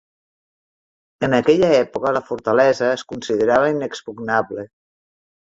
En aquella època, la fortalesa es considerava inexpugnable.